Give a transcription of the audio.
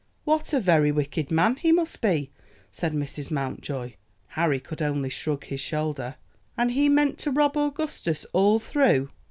"What a very wicked man he must be!" said Mrs. Mountjoy. Harry could only shrug his shoulder. "And he meant to rob Augustus all through?"